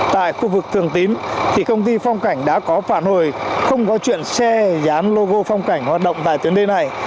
tại khu vực thường tín thì công ty phong cảnh đã có phản hồi không có chuyện xe dán logo phong cảnh hoạt động tại tuyến đê này